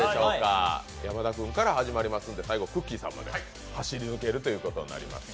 山田さんから始まって最後、くっきー！さんまで走り抜けるということになります。